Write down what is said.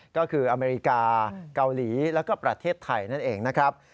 ก็คืออเมริกาเกาหลีแล้วก็ประเทศไทยนั่นเองนะครับ